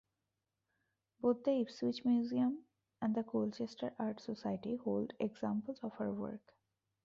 Both the Ipswich Museum and the Colchester Art Society hold examples of her work.